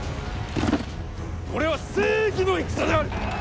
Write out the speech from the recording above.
これは正義の戦である！